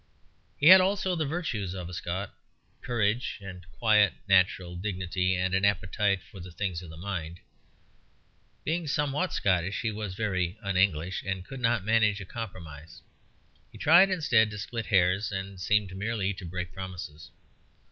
He had also the virtues of a Scot, courage, and a quite natural dignity and an appetite for the things of the mind. Being somewhat Scottish, he was very un English, and could not manage a compromise: he tried instead to split hairs, and seemed merely to break promises.